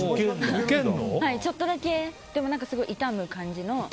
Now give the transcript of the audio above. ちょっとだけ、でも傷む感じの。